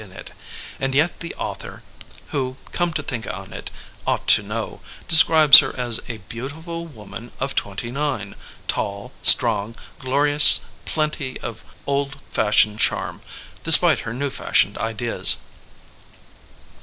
SITUATION in it, and yet the author (who, come to think on it, ought to know) describes her as a beautiful woman of twenty nine, tall, strong, glorious — plenty of old fashioned charm, despite her new fashioned ideas.